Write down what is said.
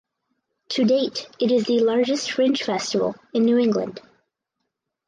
To date it is the largest fringe festival in New England.